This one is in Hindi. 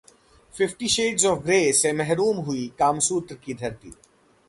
'फिफ्टी शेड्स ऑफ ग्रे' से महरूम हुई कामसूत्र की धरती!